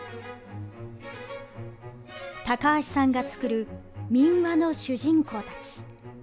高橋さんが作る民話の主人公たち。